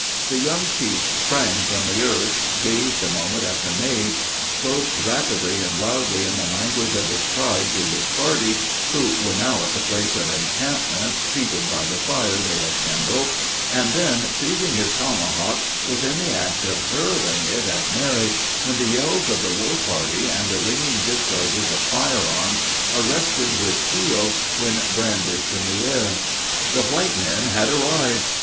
The young chief sprang from the earth gazed a moment at the maid spoke rapidly and loudly in the language of his tribe to his party, who were now at the place of encampment, seated by the fire they had kindled and then, seizing his tomahawk, was in the act of hurling it at Mary, when the yells of the war party and the ringing discharges of fire arms arrested his steel when brandished in the air. The white men had arrived!